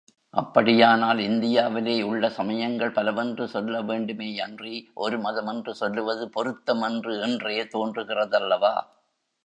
அப்படியானால், இந்தியாவிலே உள்ள சமயங்கள் பலவென்று சொல்ல வேண்டுமேயன்றி, ஒரு மதம் என்று சொல்வது பொருத்தமன்று என்றே தோன்றுகிறதல்லவா?